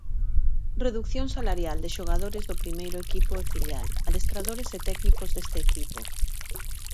Redución salarial de xogadores do primeiro equipo e filial, adestradores e técnicos deste equipo.